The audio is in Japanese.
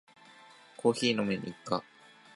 毎朝コーヒーを飲むのが日課です。